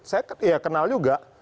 saya kenal juga